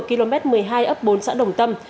một một mươi hai km ấp bốn xã đồng tâm